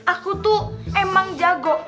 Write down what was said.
aku tuh emang jago